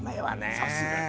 さすがに。